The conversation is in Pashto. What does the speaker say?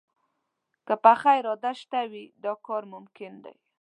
که پخه اراده شته وي، دا کار ممکن دی